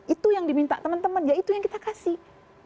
itu yang diminta teman teman ya itu yang kita kasih